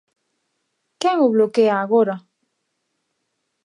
¿Quen o bloquea agora?